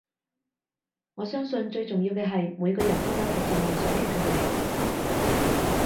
我相信最重要嘅係每個人都有實踐夢想嘅權利